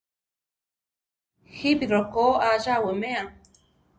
¿Jípi rokó a cha awimea?